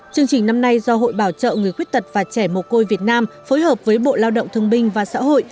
chương trình năm nay do hội bảo trợ người khuyết tật và trẻ mồ côi việt nam phối hợp với bộ lao động thương binh và xã hội